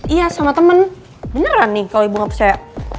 iya sama temen beneran nih kalau ibu gak percaya